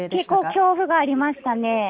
結構、恐怖がありましたね。